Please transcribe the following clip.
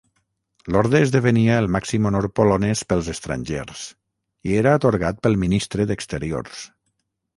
L'Orde esdevenia el màxim honor polonès pels estrangers, i era atorgat pel Ministre d'Exteriors.